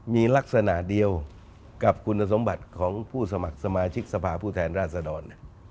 มีลักษณะเดียวกับคุณสมบัติของผู้สมัครสมาชิกสภาพผู้แทนราชดร